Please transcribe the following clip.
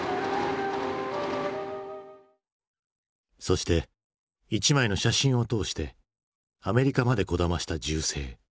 そして一枚の写真を通してアメリカまでこだました銃声。